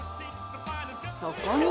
そこに。